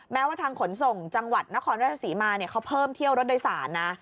แม้ว่าทางขนส่งจังหวัดนครราชศรีมาเขาเพิ่มเที่ยวรถโดยสารนะ